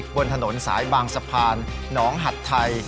บนถนนสายบางสะพานหนองหัดไทย